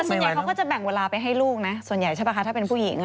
ส่วนใหญ่เขาก็จะแบ่งเวลาไปให้ลูกนะส่วนใหญ่ใช่ป่ะคะถ้าเป็นผู้หญิง